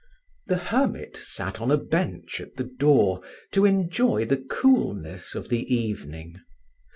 The hermit sat on a bench at the door, to enjoy the coolness of the evening.